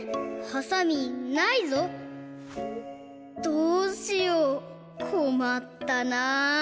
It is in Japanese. どうしようこまったな。